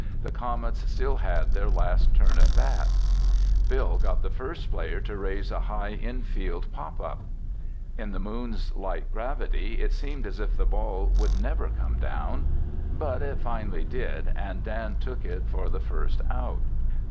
The Comets still had their last turn at bat. Bill got the first player to raise a high infield pop up. In the Moon's light gravity it seemed as if the ball would never come down. But it finally did, and Dan took it for the first out.